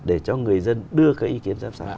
để cho người dân đưa cái ý kiến giám sát